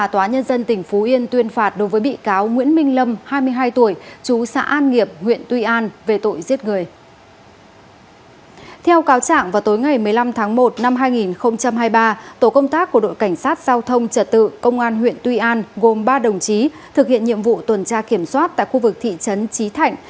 tổ công tác của đội cảnh sát giao thông trật tự công an huyện tuy an gồm ba đồng chí thực hiện nhiệm vụ tuần tra kiểm soát tại khu vực thị trấn trí thạnh